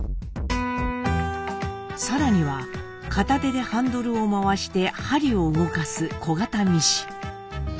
更には片手でハンドルを回して針を動かす小型ミシン。